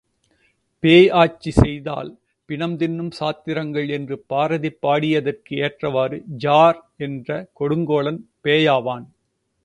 பேய் ஆட்சி செய்தால், பிணம் தின்னும் சாத்திரங்கள் என்று பாரதி பாடியதற்கு ஏற்றவாறு ஜார் என்ற கொடுங்கோலன் பேயாவான்!